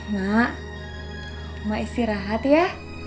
mak mak istirahat ya